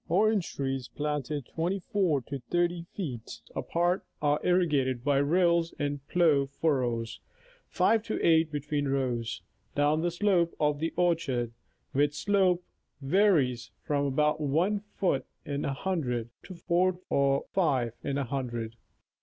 Orange trees planted 24 to 30 feet apart are irrigated by rills in plough fuiTOws, 5 to 8 between rows, down the slope of the orchard, which slope varies from about 1 foot in a hundred to 4 or 5 in a hundred.